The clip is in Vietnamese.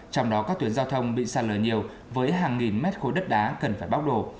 trong đó các tuyến giao thông bị sạt lở nhiều với hàng nghìn mét khối đất đá cần phải bóc đổ